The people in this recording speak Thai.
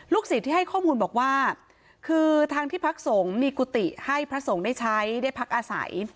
ศิษย์ที่ให้ข้อมูลบอกว่าคือทางที่พักสงฆ์มีกุฏิให้พระสงฆ์ได้ใช้ได้พักอาศัย